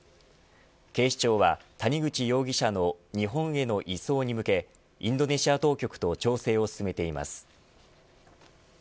警視庁は谷口容疑者の日本への移送に向けインドネシア当局と調整を進めています。